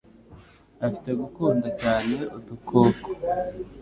Afite gukunda cyane udukoko.